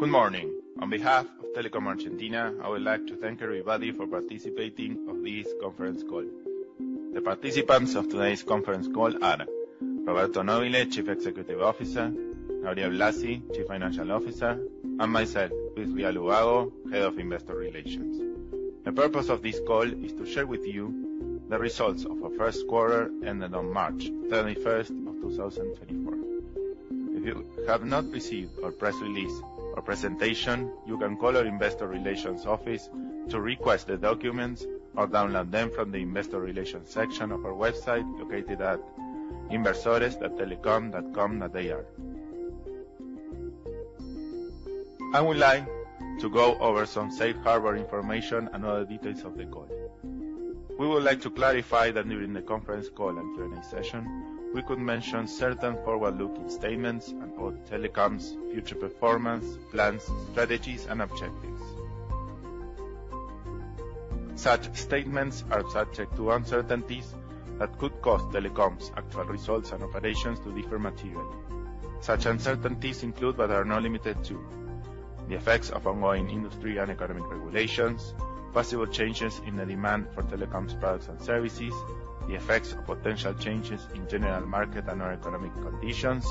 Good morning. On behalf of Telecom Argentina, I would like to thank everybody for participating of this conference call. The participants of today's conference call are Roberto Nobile, Chief Executive Officer, Gabriel Blasi, Chief Financial Officer, and myself, Luis Rial Ubago, Head of Investor Relations. The purpose of this call is to share with you the results of our first quarter, ended on March 31st, 2024. If you have not received our press release or presentation, you can call our investor relations office to request the documents or download them from the investor relations section of our website, located at inversores.telecom.com.ar. I would like to go over some safe harbor information and other details of the call. We would like to clarify that during the conference call and Q&A session, we could mention certain forward-looking statements about Telecom's future performance, plans, strategies, and objectives. Such statements are subject to uncertainties that could cause Telecom's actual results and operations to differ materially. Such uncertainties include, but are not limited to: the effects of ongoing industry and economic regulations, possible changes in the demand for Telecom's products and services, the effects of potential changes in general market and our economic conditions,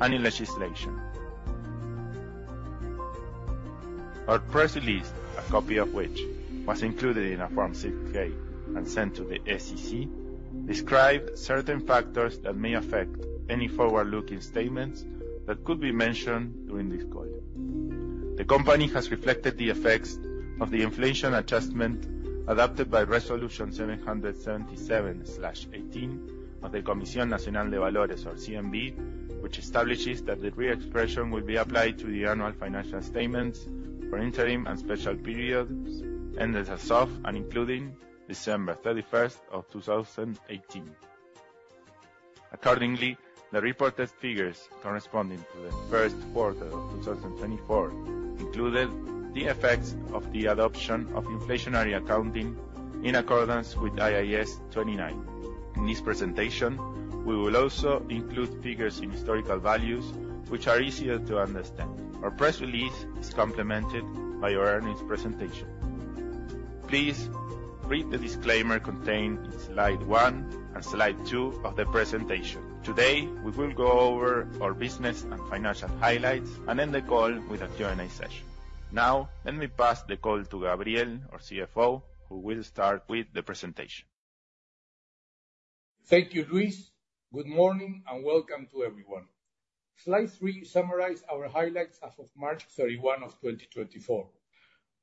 and in legislation. Our press release, a copy of which was included in our Form 6-K and sent to the SEC, describe certain factors that may affect any forward-looking statements that could be mentioned during this call. The company has reflected the effects of the inflation adjustment adopted by Resolution 777/18 of the Comisión Nacional de Valores, or CNV, which establishes that the reexpression will be applied to the annual financial statements for interim and special periods ended as of, and including, December 31st, 2018. Accordingly, the reported figures corresponding to the first quarter of 2024 included the effects of the adoption of inflationary accounting in accordance with IAS 29. In this presentation, we will also include figures in historical values, which are easier to understand. Our press release is complemented by our earnings presentation. Please read the disclaimer contained in slide one and slide two of the presentation. Today, we will go over our business and financial highlights and end the call with a Q&A session. Now, let me pass the call to Gabriel, our CFO, who will start with the presentation. Thank you, Luis. Good morning, and welcome to everyone. Slide three summarizes our highlights as of March 31, 2024.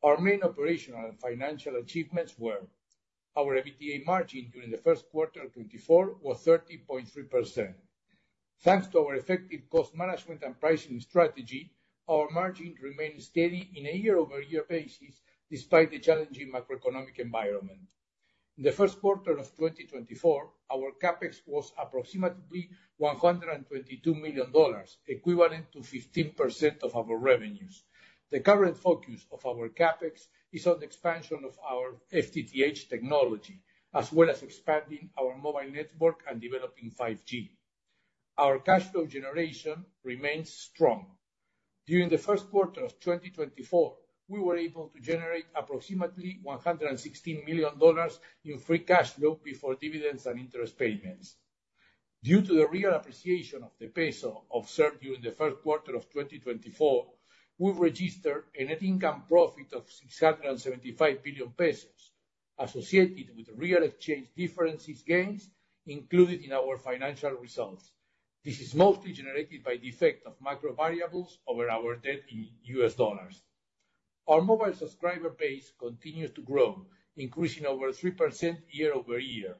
Our main operational and financial achievements were: our EBITDA margin during the first quarter of 2024 was 13.3%. Thanks to our effective cost management and pricing strategy, our margin remained steady on a year-over-year basis, despite the challenging macroeconomic environment. In the first quarter of 2024, our CapEx was approximately $122 million, equivalent to 15% of our revenues. The current focus of our CapEx is on the expansion of our FTTH technology, as well as expanding our mobile network and developing 5G. Our cash flow generation remains strong. During the first quarter of 2024, we were able to generate approximately $116 million in free cash flow before dividends and interest payments. Due to the real appreciation of the peso observed during the first quarter of 2024, we've registered a net income profit of 675 billion pesos, associated with real exchange differences gains included in our financial results. This is mostly generated by the effect of macro variables over our debt in U.S. dollars. Our mobile subscriber base continues to grow, increasing over 3% year-over-year.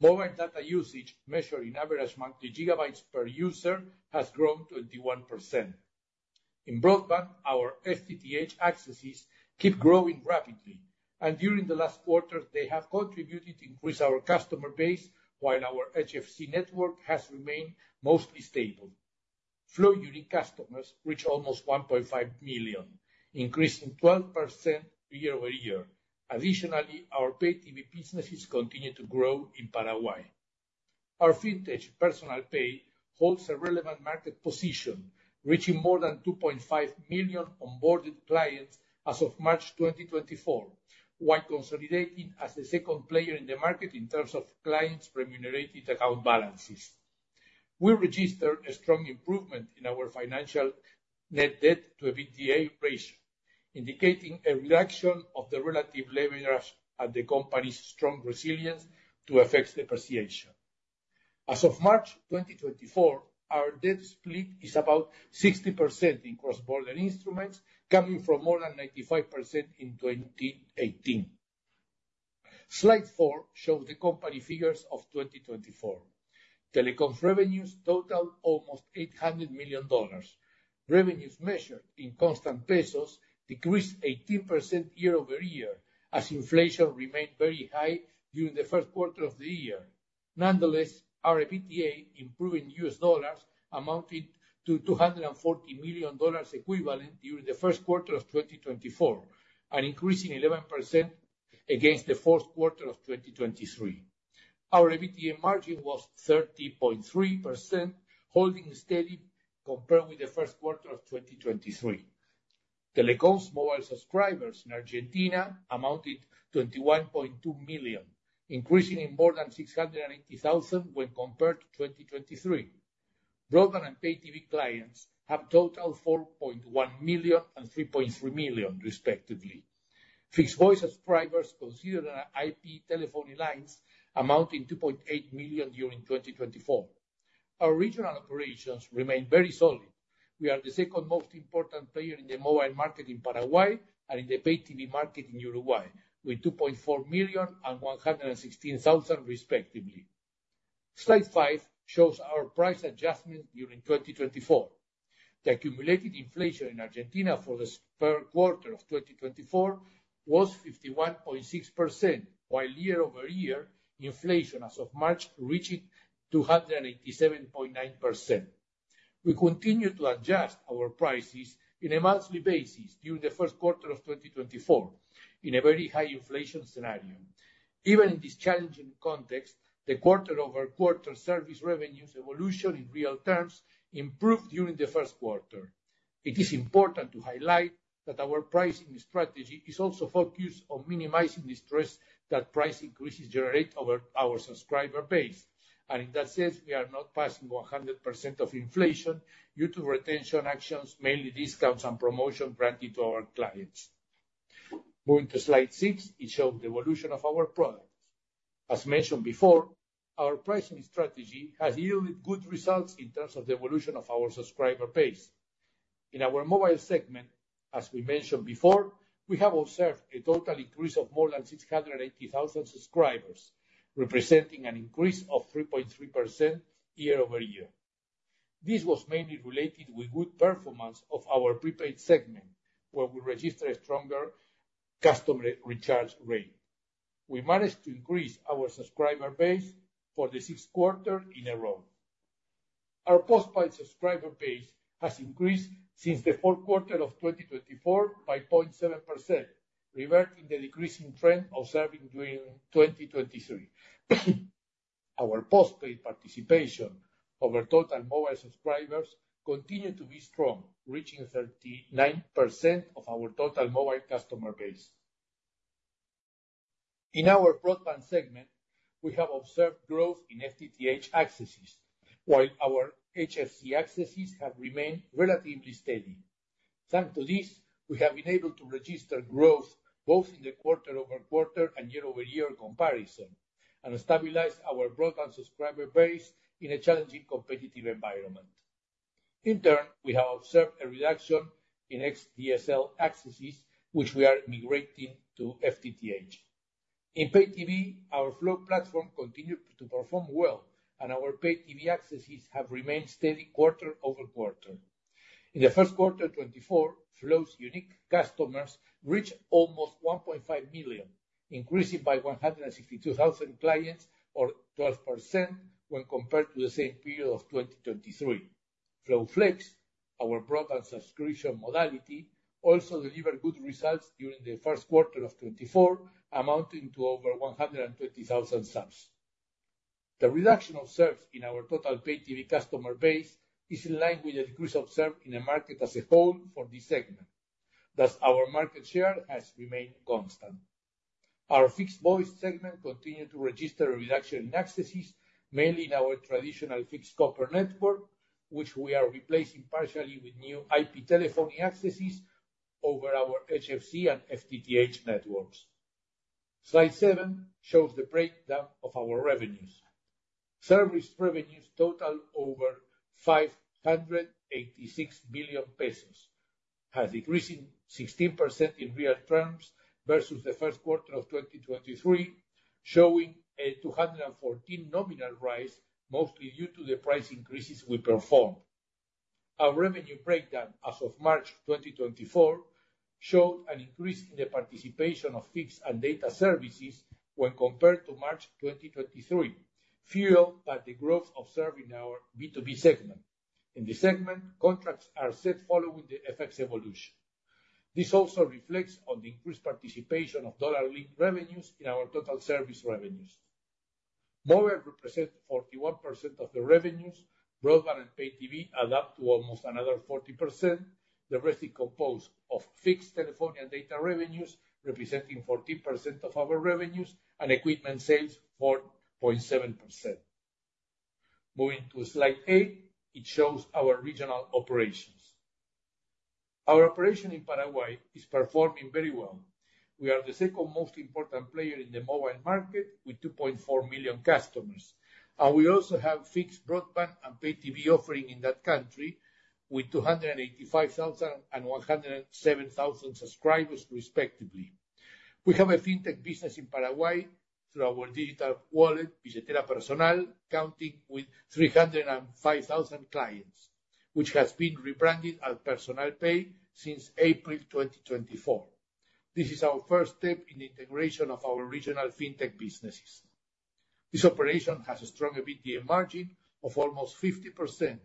Mobile data usage, measured in average monthly gigabytes per user, has grown 21%. In broadband, our FTTH accesses keep growing rapidly, and during the last quarter, they have contributed to increase our customer base, while our HFC network has remained mostly stable. Flow unique customers reach almost 1.5 million, increasing 12% year-over-year. Additionally, our Pay TV businesses continue to grow in Paraguay. Our fintech, Personal Pay, holds a relevant market position, reaching more than 2.5 million onboarded clients as of March 2024, while consolidating as the second player in the market in terms of clients' remunerated account balances. We registered a strong improvement in our financial net debt to EBITDA ratio, indicating a reduction of the relative leverage and the company's strong resilience to affect depreciation. As of March 2024, our debt split is about 60% in cross-border instruments, coming from more than 95% in 2018. Slide four shows the company figures of 2024. Telecom's revenues total almost $800 million. Revenues measured in constant pesos decreased 18% year-over-year, as inflation remained very high during the first quarter of the year. Nonetheless, our EBITDA, improving U.S. dollars, amounted to $240 million equivalent during the first quarter of 2024, and increasing 11% against the fourth quarter of 2023. Our EBITDA margin was 30.3%, holding steady compared with the first quarter of 2023. Telecom's mobile subscribers in Argentina amounted 21.2 million, increasing in more than 680,000 when compared to 2023. Broadband and Pay TV clients have total 4.1 million and 3.3 million, respectively. Fixed voice subscribers considered our IP telephony lines, amounting 2.8 million during 2024. Our regional operations remain very solid. We are the second most important player in the mobile market in Paraguay, and in the Pay TV market in Uruguay, with 2.4 million and 116,000, respectively. Slide five shows our price adjustment during 2024. The accumulated inflation in Argentina for the first quarter of 2024 was 51.6%, while year-over-year inflation as of March, reaching 287.9%. We continued to adjust our prices on a monthly basis during the first quarter of 2024, in a very high inflation scenario. Even in this challenging context, the quarter-over-quarter service revenues evolution in real terms improved during the first quarter. It is important to highlight that our pricing strategy is also focused on minimizing the stress that price increases generate over our subscriber base. And in that sense, we are not passing 100% of inflation due to retention actions, mainly discounts and promotion granted to our clients. Moving to Slide six, it shows the evolution of our products. As mentioned before, our pricing strategy has yielded good results in terms of the evolution of our subscriber base. In our mobile segment, as we mentioned before, we have observed a total increase of more than 680,000 subscribers, representing an increase of 3.3% year-over-year. This was mainly related with good performance of our prepaid segment, where we registered a stronger customer recharge rate. We managed to increase our subscriber base for the sixth quarter in a row. Our post-paid subscriber base has increased since the fourth quarter of 2024 by 0.7%, reverting the decreasing trend observed during 2023. Our post-paid participation over total mobile subscribers continued to be strong, reaching 39% of our total mobile customer base. In our broadband segment, we have observed growth in FTTH accesses, while our HFC accesses have remained relatively steady. Thanks to this, we have been able to register growth both in the quarter-over-quarter and year-over-year comparison, and stabilize our broadband subscriber base in a challenging competitive environment. In turn, we have observed a reduction in XDSL accesses, which we are migrating to FTTH. In Pay TV, our Flow platform continued to perform well, and our Pay TV accesses have remained steady quarter-over-quarter. In the first quarter 2024, Flow's unique customers reached almost 1.5 million, increasing by 162,000 clients or 12% when compared to the same period of 2023. Flow Flex, our broadband subscription modality, also delivered good results during the first quarter of 2024, amounting to over 120,000 subs. The reduction observed in our total Pay TV customer base is in line with the decrease observed in the market as a whole for this segment. Thus, our market share has remained constant. Our fixed voice segment continued to register a reduction in accesses, mainly in our traditional fixed copper network, which we are replacing partially with new IP telephony accesses over our HFC and FTTH networks. Slide seven shows the breakdown of our revenues. Service revenues total over 586 million pesos, has decreased 16% in real terms versus the first quarter of 2023, showing a 214% nominal rise, mostly due to the price increases we performed. Our revenue breakdown as of March 2024, showed an increase in the participation of fixed and data services when compared to March 2023, fueled by the growth observed in our B2B segment. In this segment, contracts are set following the FX evolution. This also reflects on the increased participation of dollar-linked revenues in our total service revenues. Mobile represents 41% of the revenues. Broadband and Pay TV add up to almost another 40%. The rest is composed of fixed telephone and data revenues, representing 14% of our revenues, and equipment sales, 4.7%. Moving to slide eight, it shows our regional operations. Our operation in Paraguay is performing very well. We are the second most important player in the mobile market, with 2.4 million customers. And we also have fixed broadband and Pay TV offering in that country, with 285,000 and 107,000 subscribers, respectively. We have a fintech business in Paraguay through our digital wallet, Billetera Personal, counting with 305,000 clients, which has been rebranded as Personal Pay since April 2024. This is our first step in the integration of our regional fintech businesses. This operation has a strong EBITDA margin of almost 50%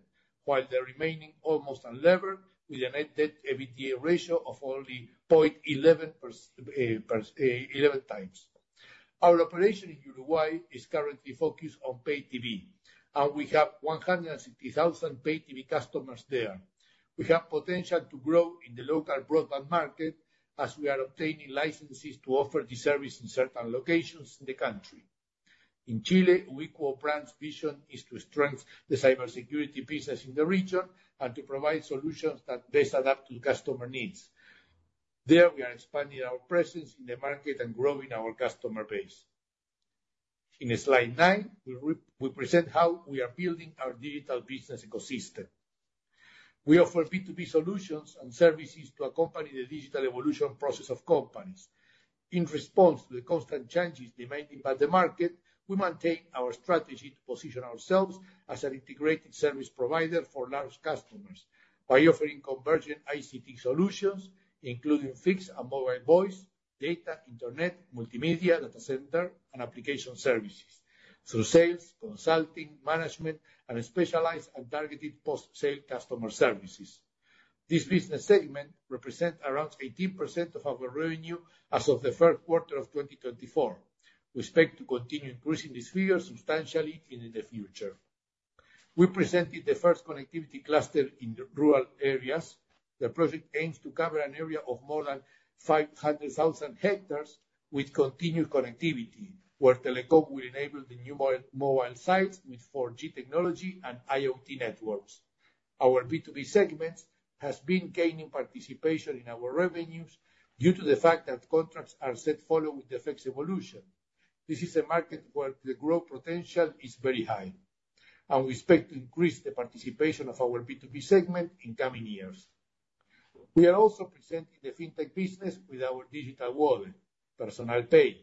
while the remaining almost unlevered, with a net debt EBITDA ratio of only 0.11x. Our operation in Uruguay is currently focused on Pay TV, and we have 160,000 Pay TV customers there. We have potential to grow in the local broadband market as we are obtaining licenses to offer the service in certain locations in the country. In Chile, Ubiquo brand's vision is to strengthen the cybersecurity business in the region and to provide solutions that best adapt to customer needs. There, we are expanding our presence in the market and growing our customer base. In slide nine, we present how we are building our digital business ecosystem. We offer B2B solutions and services to accompany the digital evolution process of companies. In response to the constant changes demanded by the market, we maintain our strategy to position ourselves as an integrated service provider for large customers by offering convergent ICT solutions, including fixed and mobile voice, data, internet, multimedia, data center, and application services through sales, consulting, management, and specialized and targeted post-sale customer services. This business segment represent around 18% of our revenue as of the first quarter of 2024. We expect to continue increasing this figure substantially in the future. We presented the first connectivity cluster in the rural areas. The project aims to cover an area of more than 500,000 hectares with continued connectivity, where Telecom will enable the new mobile sites with 4G technology and IoT networks. Our B2B segment has been gaining participation in our revenues due to the fact that contracts are set following the fixed evolution. This is a market where the growth potential is very high, and we expect to increase the participation of our B2B segment in coming years. We are also presenting the fintech business with our digital wallet, Personal Pay,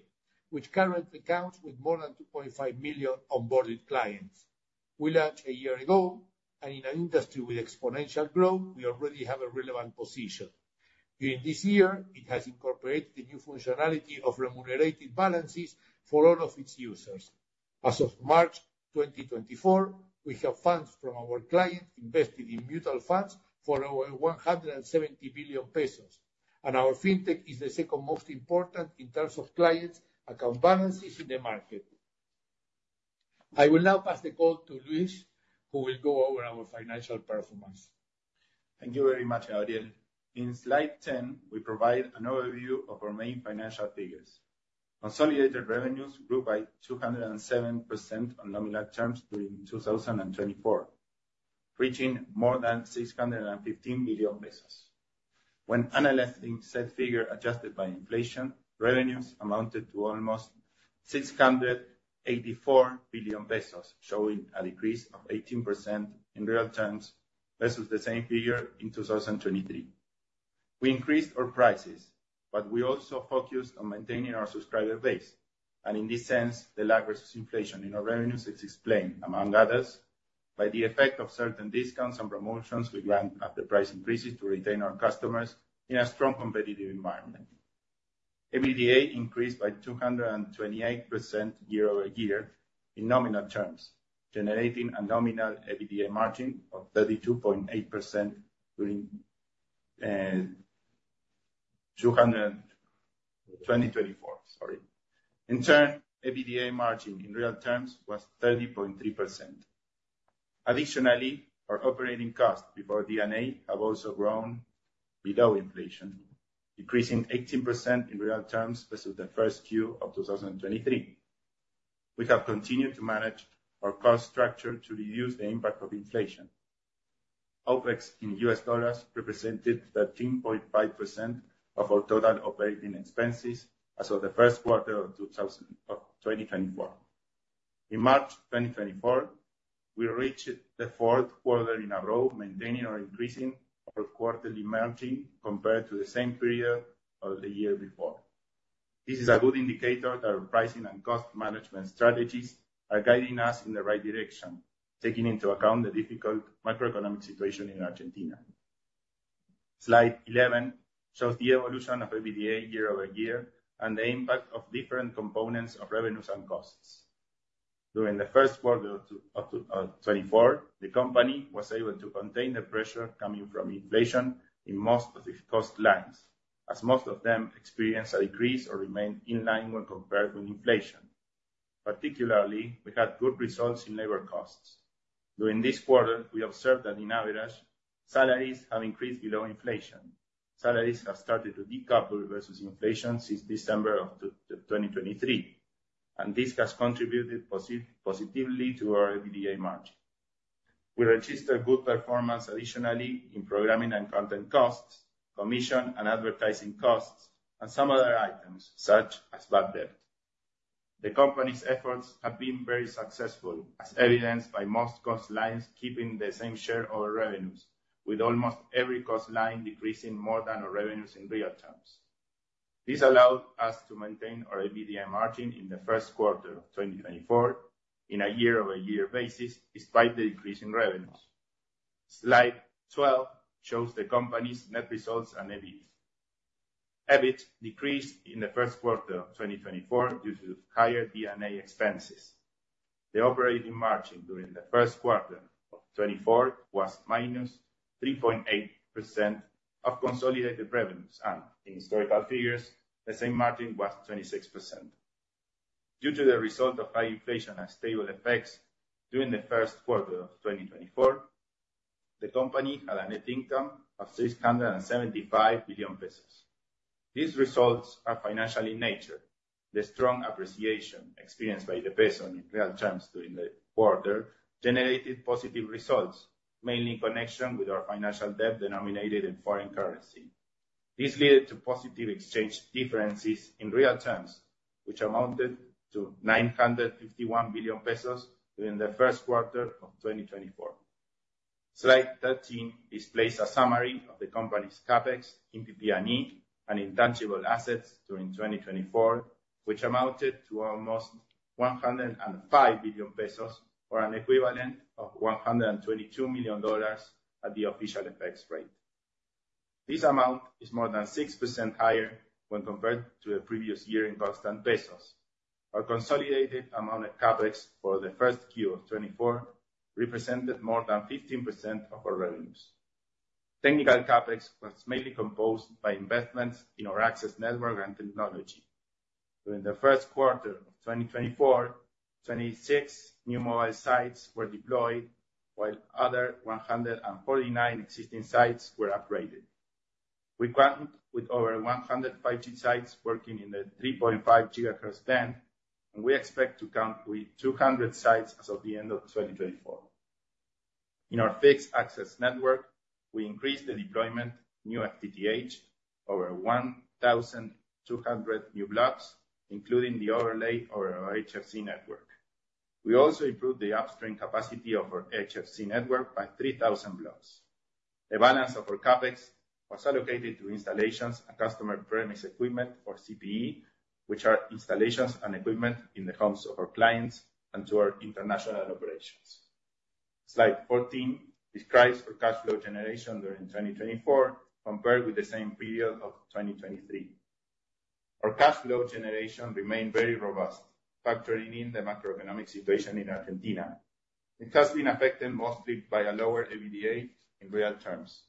which currently counts with more than 2.5 million onboarded clients. We launched a year ago, and in an industry with exponential growth, we already have a relevant position. During this year, it has incorporated the new functionality of remunerative balances for all of its users. As of March 2024, we have funds from our clients invested in mutual funds for over 170 billion pesos, and our fintech is the second most important in terms of clients' account balances in the market. I will now pass the call to Luis, who will go over our financial performance. Thank you very much, Gabriel. In slide 10, we provide an overview of our main financial figures. Consolidated revenues grew by 207% on nominal terms during 2024, reaching more than 615 billion pesos. When analyzing said figure, adjusted by inflation, revenues amounted to almost 684 billion pesos, showing a decrease of 18% in real terms versus the same figure in 2023. We increased our prices, but we also focused on maintaining our subscriber base, and in this sense, the lag versus inflation in our revenues is explained, among others, by the effect of certain discounts and promotions we grant at the price increases to retain our customers in a strong competitive environment. EBITDA increased by 228% year-over-year in nominal terms, generating a nominal EBITDA margin of 32.8% during 2024. In turn, EBITDA margin in real terms was 30.3%. Additionally, our operating costs before D&A have also grown below inflation, decreasing 18% in real terms versus the 1Q of 2023. We have continued to manage our cost structure to reduce the impact of inflation. OpEx in U.S. dollars represented 13.5% of our total operating expenses as of the first quarter of 2024. In March 2024, we reached the fourth quarter in a row, maintaining or increasing our quarterly margin compared to the same period of the year before. This is a good indicator that our pricing and cost management strategies are guiding us in the right direction, taking into account the difficult macroeconomic situation in Argentina. Slide 11 shows the evolution of EBITDA year-over-year and the impact of different components of revenues and costs. During the first quarter of 2024, the company was able to contain the pressure coming from inflation in most of the cost lines, as most of them experienced a decrease or remained in line when compared with inflation. Particularly, we had good results in labor costs. During this quarter, we observed that in average, salaries have increased below inflation. Salaries have started to decouple versus inflation since December of 2023, and this has contributed positively to our EBITDA margin. We registered good performance additionally in programming and content costs, commission and advertising costs, and some other items, such as bad debt. The company's efforts have been very successful, as evidenced by most cost lines keeping the same share of our revenues, with almost every cost line decreasing more than our revenues in real terms. This allowed us to maintain our EBITDA margin in the first quarter of 2024 in a year-over-year basis, despite the decrease in revenues. Slide 12 shows the company's net results and EBIT. EBIT decreased in the first quarter of 2024 due to higher D&A expenses. The operating margin during the first quarter of 2024 was -3.8% of consolidated revenues, and in historical figures, the same margin was 26%. Due to the result of high inflation and stable FX during the first quarter of 2024, the company had a net income of 675 billion pesos. These results are financial in nature. The strong appreciation experienced by the peso in real terms during the quarter generated positive results, mainly in connection with our financial debt denominated in foreign currency. This led to positive exchange differences in real terms, which amounted to 951 billion pesos during the first quarter of 2024. Slide 13 displays a summary of the company's CapEx in PP&E and intangible assets during 2024, which amounted to almost 105 billion pesos, or an equivalent of $122 million at the official exchange rate. This amount is more than 6% higher when compared to the previous year in constant pesos. Our consolidated amount of CapEx for the 1Q of 2024 represented more than 15% of our revenues. Technical CapEx was mainly composed by investments in our access network and technology. During the first quarter of 2024, 26 new mobile sites were deployed, while other 149 existing sites were upgraded. We count with over 100 5G sites working in the 3.5 GHz band, and we expect to count with 200 sites as of the end of 2024. In our fixed access network, we increased the deployment new FTTH over 1,200 new blocks, including the overlay over our HFC network. We also improved the upstream capacity of our HFC network by 3,000 blocks. The balance of our CapEx was allocated to installations and customer premise equipment, or CPE, which are installations and equipment in the homes of our clients and to our international operations. Slide 14 describes our cash flow generation during 2024, compared with the same period of 2023. Our cash flow generation remained very robust, factoring in the macroeconomic situation in Argentina. It has been affected mostly by a lower EBITDA in real terms.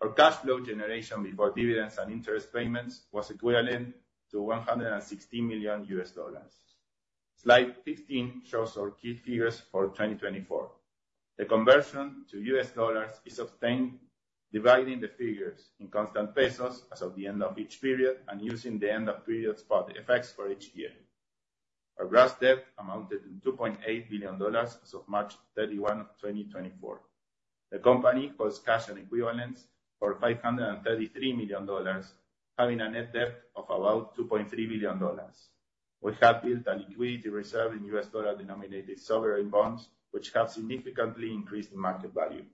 Our cash flow generation before dividends and interest payments was equivalent to $160 million. Slide 15 shows our key figures for 2024. The conversion to U.S. dollars is obtained dividing the figures in constant pesos as of the end of each period and using the end of period spot rates for each year. Our gross debt amounted to $2.8 billion as of March 31, 2024. The company holds cash and equivalents of $533 million, having a net debt of about $2.3 billion. We have built a liquidity reserve in U.S. dollar-denominated sovereign bonds, which have significantly increased in market value.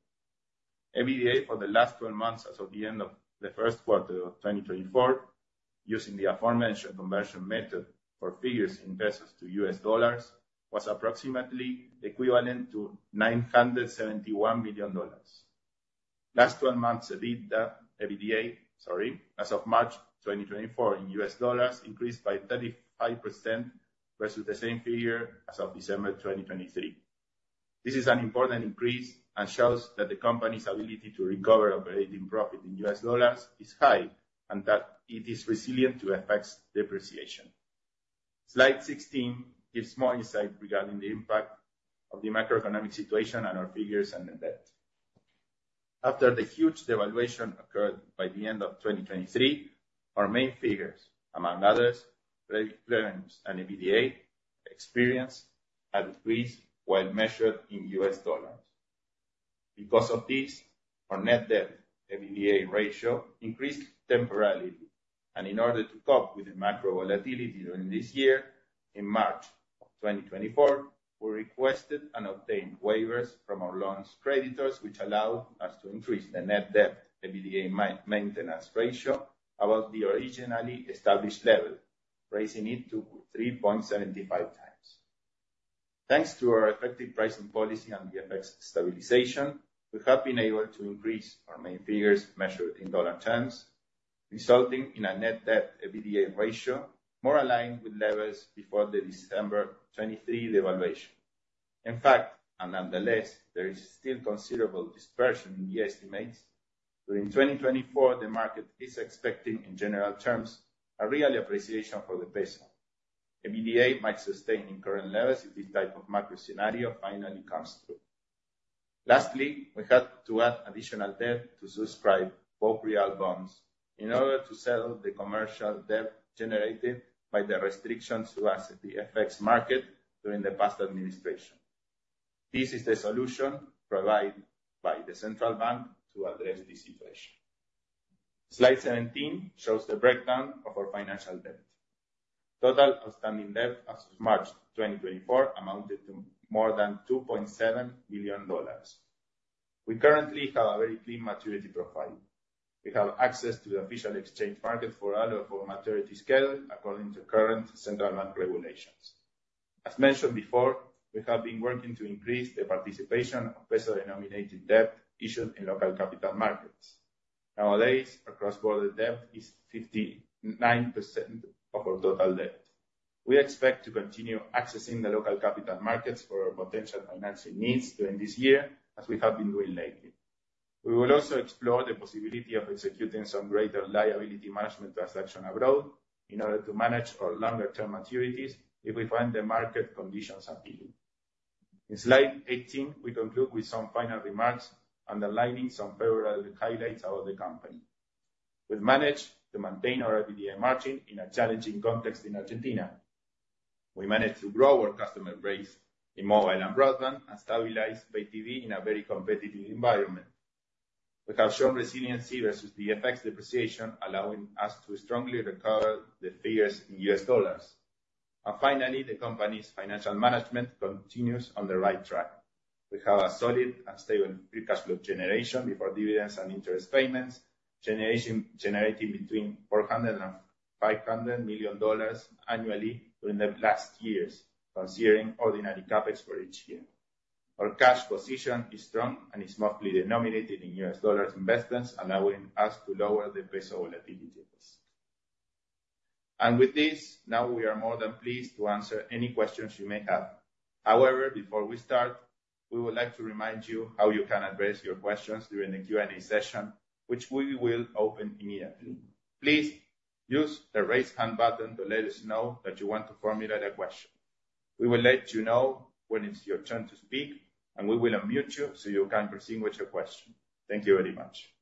EBITDA for the last twelve months, as of the end of the first quarter of 2024, using the aforementioned conversion method for figures in pesos to U.S dollars, was approximately equivalent to $971 million. Last 12 months EBITDA, EBITDA, sorry, as of March 2024 in U.S. dollars, increased by 35% versus the same figure as of December 2023. This is an important increase and shows that the company's ability to recover operating profit in U.S. dollars is high and that it is resilient to FX depreciation. Slide 16 gives more insight regarding the impact of the macroeconomic situation on our figures and the debt. After the huge devaluation occurred by the end of 2023, our main figures, among others, revenue and EBITDA, experienced a decrease while measured in U.S. dollars. Because of this, our net debt/EBITDA ratio increased temporarily, and in order to cope with the macro volatility during this year, in March of 2024, we requested and obtained waivers from our loans creditors, which allow us to increase the net debt/EBITDA maintenance ratio above the originally established level, raising it to 3.75x. Thanks to our effective pricing policy and the FX stabilization, we have been able to increase our main figures measured in dollar terms, resulting in a net debt/EBITDA ratio more aligned with levels before the December 2023 devaluation. In fact, and nonetheless, there is still considerable dispersion in the estimates. During 2024, the market is expecting, in general terms, a real appreciation for the peso. EBITDA might sustain in current levels if this type of macro scenario finally comes through. Lastly, we had to add additional debt to subscribe BOPREAL bonds in order to settle the commercial debt generated by the restrictions to us at the FX market during the past administration. This is the solution provided by the central bank to address this situation. Slide 17 shows the breakdown of our financial debt. Total outstanding debt as of March 2024 amounted to more than $2.7 billion. We currently have a very clean maturity profile. We have access to the official exchange market to allow for maturity scheduling according to current central bank regulations. As mentioned before, we have been working to increase the participation of peso-denominated debt issued in local capital markets. Nowadays, our cross-border debt is 59% of our total debt. We expect to continue accessing the local capital markets for our potential financing needs during this year, as we have been doing lately. We will also explore the possibility of executing some greater liability management transaction abroad in order to manage our longer-term maturities if we find the market conditions appealing. In slide 18, we conclude with some final remarks, underlining some parallel highlights about the company. We've managed to maintain our EBITDA margin in a challenging context in Argentina. We managed to grow our customer base in mobile and broadband and stabilize Pay TV in a very competitive environment. We have shown resiliency versus the FX depreciation, allowing us to strongly recover the figures in U.S. dollars. Finally, the company's financial management continues on the right track. We have a solid and stable free cash flow generation before dividends and interest payments, generating between $400 million and $500 million annually during the last years, considering ordinary CapEx for each year. Our cash position is strong and is mostly denominated in U.S. dollar investments, allowing us to lower the peso volatility risk. With this, now we are more than pleased to answer any questions you may have. However, before we start, we would like to remind you how you can address your questions during the Q&A session, which we will open immediately. Please use the raise hand button to let us know that you want to formulate a question. We will let you know when it's your turn to speak, and we will unmute you so you can proceed with your question. Thank you very much.